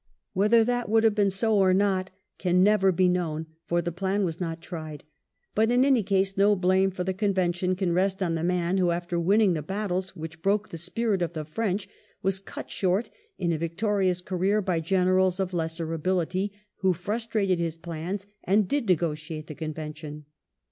Whether that would 104 WELLINGTON « chap. have been so or not can never be known, for the plan was not tried; bat in any case, no blame for the Convention can rest on the man who, after winning the battles which broke the spirit of the French, was cut short in a victorious career by generals of lesser ability, who frustrated his plans and did negotiate the Conven tion.